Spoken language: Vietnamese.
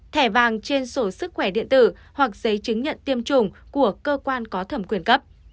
thẻ vàng trên sổ sức khỏe điện tử hoặc giấy chứng nhận tiêm chủng của cơ quan có thẩm quyền cấp